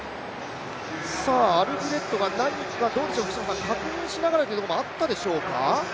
アルフレッドが何か確認しながらということもあったでしょうか。